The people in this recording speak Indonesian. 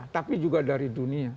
tapi juga dari dunia